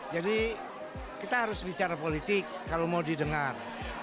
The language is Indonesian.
jadi kita harus bicara politik kalau mau didengar